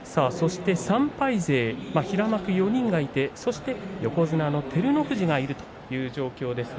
３敗勢、平幕４人がいてそして横綱の照ノ富士がいるという状況です。